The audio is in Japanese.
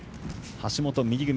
橋本、右組み。